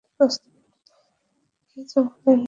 কি যে বলেন, অ্যালেক্স, মিঃ ডেভলিনে আমি আগ্রহী নই।